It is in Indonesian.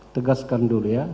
tegaskan dulu ya